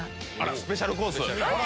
スペシャルコース！